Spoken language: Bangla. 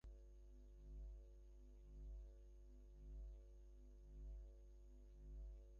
অশান্ত হর্ষোচ্ছ্বাস সত্ত্বেও অনতিবিলম্বেই মৃন্ময়ী ঘুমাইয়া পড়িল।